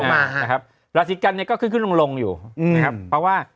มานะครับราศีกันเนี่ยก็ขึ้นขึ้นลงลงอยู่นะครับเพราะว่า